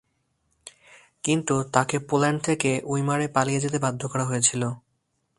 কিন্তু, তাকে পোল্যান্ড থেকে উইমারে পালিয়ে যেতে বাধ্য করা হয়েছিল।